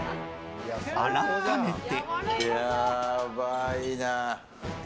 改めて。